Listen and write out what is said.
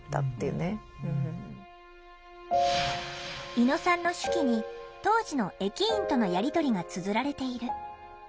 猪野さんの手記に当時の駅員とのやり取りがつづられている。